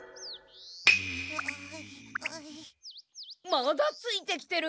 まだついてきてる！